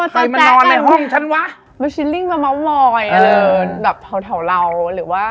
เธอจะพามานอนในห้องฉันวะ